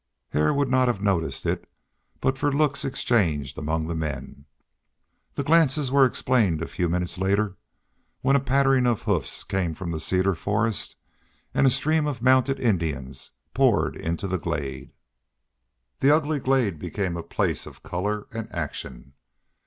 Hare would not have noticed it but for looks exchanged among the men. The glances were explained a few minutes later when a pattering of hoofs came from the cedar forest, and a stream of mounted Indians poured into the glade. The ugly glade became a place of color and action.